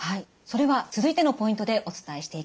それは続いてのポイントでお伝えしていきます。